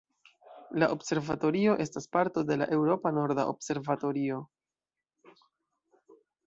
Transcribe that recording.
La Observatorio estas parto de la Eŭropa norda observatorio.